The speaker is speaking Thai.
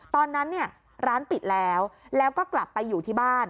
ตอนนั้นเนี่ยร้านปิดแล้วแล้วก็กลับไปอยู่ที่บ้าน